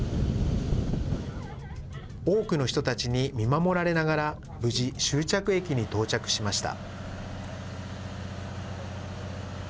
多くの人たちに見守られながら、無事終着駅に到着しました。